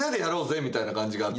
みたいな感じがあった